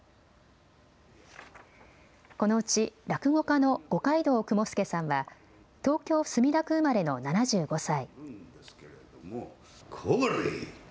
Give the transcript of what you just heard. このうち落語家の五街道雲助さんは東京墨田区生まれの７５歳。